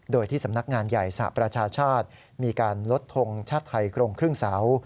โดยที่สำนักงานใหญ่สหประชาชาติมีการลดทงชาติไทยโครงครึ่งเสา